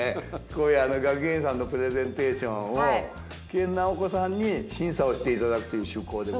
こういう学芸員さんのプレゼンテーションを研ナオコさんに審査をして頂くという趣向でございます。